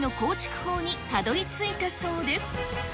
法にたどりついたそうです。